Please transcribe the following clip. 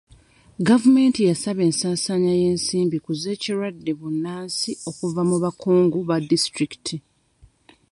Gavumenti yasaba ensaasaanya y'ensimbi ku z'ekirwadde bbunansi okuva mu bakungu ba disitulikiti.